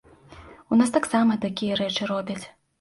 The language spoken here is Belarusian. У нас таксама такія рэчы робяць.